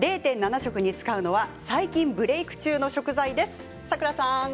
食に使うのは、最近ブレーク中の食材です。